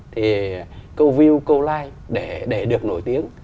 thì câu view câu like để được nổi tiếng